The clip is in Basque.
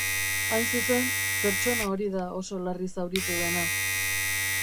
Hain zuzen, pertsona hori da oso larri zauritu dena.